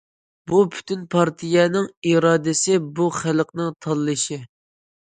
بۇ، پۈتۈن پارتىيەنىڭ ئىرادىسى، بۇ، خەلقنىڭ تاللىشى.